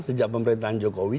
sejak pemerintahan jokowi